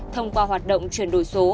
thông qua hoạt động chuyển đổi số